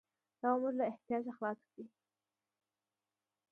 دا به موږ له احتیاجه خلاص کړي.